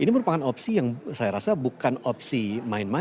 ini merupakan opsi yang saya rasa bukan opsi masyarakat